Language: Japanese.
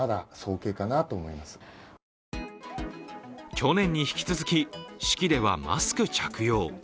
去年に引き続き、式ではマスク着用。